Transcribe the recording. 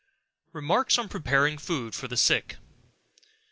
Remarks on Preparing Food for the Sick.